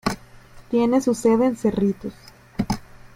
Tiene su sede en Cerritos.